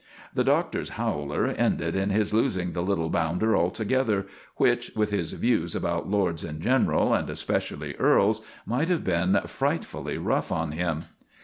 The Doctor's howler ended in his losing the little bounder altogether, which, with his views about lords in general, and especially earls, must have been frightfully rough on him.